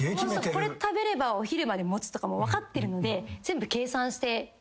これ食べればお昼まで持つとかも分かってるので全部計算して行くんです。